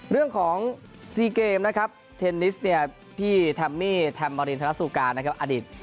เรื่องของซีเกมเทนนิสพี่แฮมมี่แธมมารินทาลาซูกาอดิต